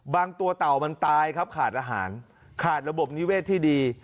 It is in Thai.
ตัวเต่ามันตายครับขาดอาหารขาดระบบนิเวศที่ดี